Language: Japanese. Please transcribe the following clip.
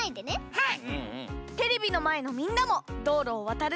はい！